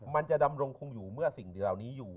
มันจะดำรงคงอยู่เมื่อสิ่งเหล่านี้อยู่